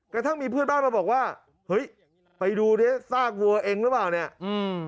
กระทั่งมีเพื่อนบ้านมาบอกว่าเฮ้ยไปดูดิซากวัวเองหรือเปล่าเนี่ยอืม